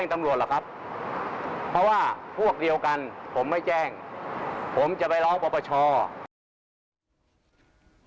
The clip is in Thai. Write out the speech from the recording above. ตำรวจหรอกครับเพราะว่าพวกเดียวกันผมไม่แจ้งผมจะไปร้องปรปช